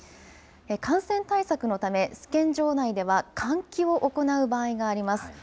感染対策のため試験場内では換気を行う場合があります。